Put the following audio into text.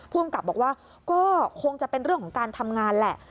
ภูมิกับบอกว่าก็คงจะเป็นเรื่องของการทำงานแหละ